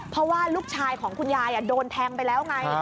เพราะว่าลูกชายของคุณยายโดนแทงไปแล้วไง